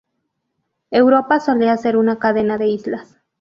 Europa solía ser una cadena de islas.